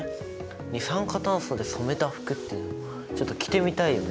二酸化炭素で染めた服ってちょっと着てみたいよね。